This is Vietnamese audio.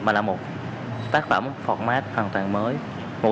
mà là một tác phẩm phọng mát hoàn toàn mới